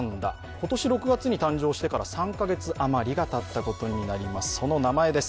今年６月に誕生してから３カ月余りがたったことになります。